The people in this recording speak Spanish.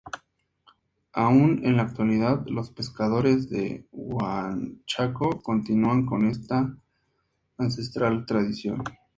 Aún en la actualidad los pescadores de Huanchaco continúan con esta ancestral tradición.